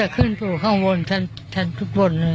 คิดว่าจะไปที่ฝ่ายแผนหรัฐแล้ว